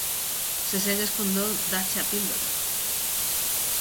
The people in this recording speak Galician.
Se segues con dor, dáche a píldora.